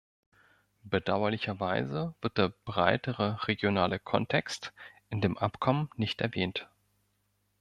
Bedauerlicherweise wird der breitere regionale Kontext in dem Abkommen nicht erwähnt.